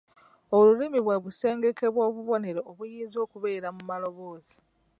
Olulimi bwe busengeke bw’obubonero obuyinza okubeera mu maloboozi.